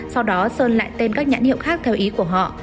sau đó sơn lại tên các nhãn hiệu khác theo ý của họ